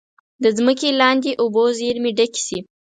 د ځمکې لاندې اوبو زیرمې ډکې شي.